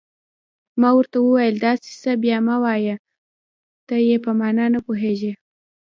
ما ورته وویل: داسې څه بیا مه وایه، ته یې په معنا نه پوهېږې.